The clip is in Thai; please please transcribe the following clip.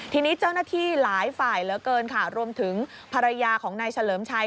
ทีนี้เจ้าหน้าที่หลายฝ่ายเหลือเกินค่ะรวมถึงภรรยาของนายเฉลิมชัย